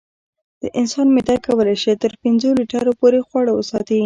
د انسان معده کولی شي تر پنځو لیټرو پورې خواړه وساتي.